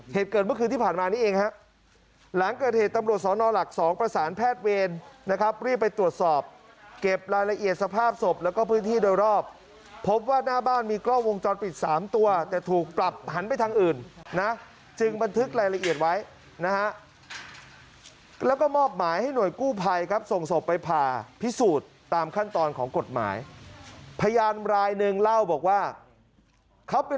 เหตุเกิดเมื่อคืนที่ผ่านมานี้เองครับหลังเกิดเหตุตำรวจสนหลัก๒ประสานแพทย์เวรนะครับรีบไปตรวจสอบเก็บรายละเอียดสภาพศพแล้วก็พื้นที่โดยรอบพบว่าหน้าบ้านมีกล้องวงจอดปิด๓ตัวแต่ถูกปรับหันไปทางอื่นนะจึงบันทึกรายละเอียดไว้นะฮะแล้วก็มอบหมายให้หน่วยกู้ภัยครับส่งศพไปพาพ